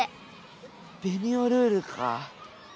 ベニオルールか。